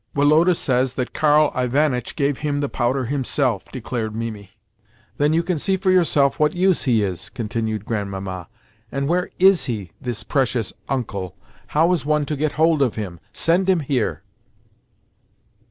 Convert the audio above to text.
"Woloda says that Karl Ivanitch gave him the powder himself," declared Mimi. "Then you can see for yourself what use he is," continued Grandmamma. "And where IS he—this precious 'Uncle'? How is one to get hold of him? Send him here."